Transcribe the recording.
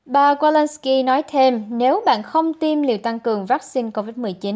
bà kolansky nói thêm nếu bạn không tiêm liều tăng cường vaccine covid một mươi chín